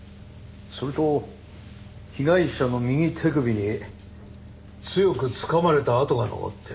それと被害者の右手首に強くつかまれた痕が残ってる。